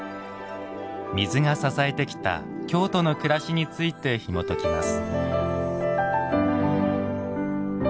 水が支えてきた京都の暮らしについてひもときます。